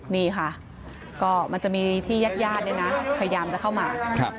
นี่ค่ะก็มันจะมีที่ยัดนะพยายามจะเข้ามา